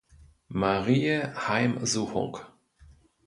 Mariä Heimsuchung“.